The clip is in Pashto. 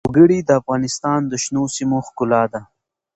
وګړي د افغانستان د شنو سیمو ښکلا ده.